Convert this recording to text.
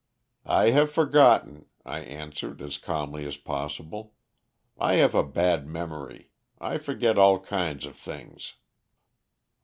"'I have forgotten,' I answered as calmly as possible. 'I have a bad memory. I forget all kinds of things.'